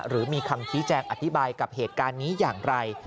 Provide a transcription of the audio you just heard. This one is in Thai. หรือมีคำชี้แจงอธิบายกับเหตุการณ์นี้อย่างไร